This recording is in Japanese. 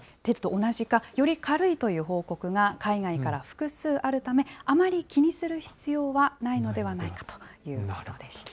同じか、より軽いという報告が海外から複数あるため、あまり気にする必要はないのではないかということでした。